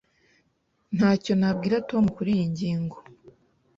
Ntacyo nabwiye Tom kuriyi ngingo.